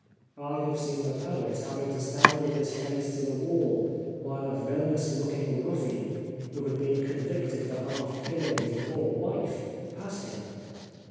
I have seen the Poet having to stand with his face to the wall while a villainous looking ruffian, who had been convicted for half killing his poor wife, passed him.